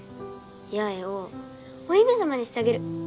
八重をお姫様にしてあげる。